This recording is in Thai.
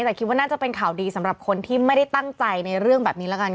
แต่คิดว่าน่าจะเป็นข่าวดีสำหรับคนที่ไม่ได้ตั้งใจในเรื่องแบบนี้ละกัน